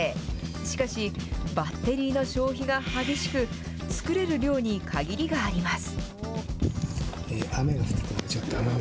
しかし、バッテリーの消費が激しく、作れる量に限りがあります。